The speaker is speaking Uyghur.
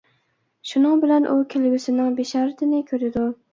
شۇنىڭ بىلەن ئۇ كەلگۈسىنىڭ بېشارىتىنى كۆرىدۇ.